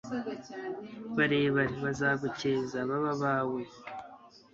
barebare bazagukeza babe abawe